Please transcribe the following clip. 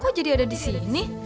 oh jadi ada di sini